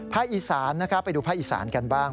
อีสานนะครับไปดูภาคอีสานกันบ้าง